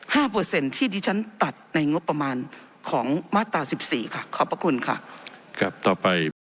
เปอร์เซ็นต์ที่ดิฉันตัดในงบประมาณของมาตราสิบสี่ค่ะขอบพระคุณค่ะครับต่อไป